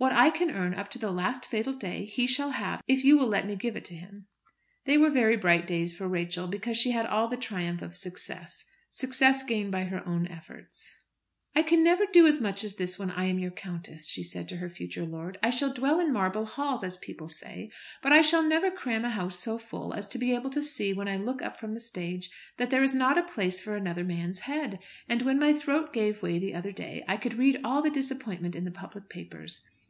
What I can earn up to the last fatal day he shall have, if you will let me give it to him." They were very bright days for Rachel, because she had all the triumph of success, success gained by her own efforts. "I can never do as much as this when I am your countess," she said to her future lord. "I shall dwell in marble halls, as people say, but I shall never cram a house so full as to be able to see, when I look up from the stage, that there is not a place for another man's head; and when my throat gave way the other day I could read all the disappointment in the public papers.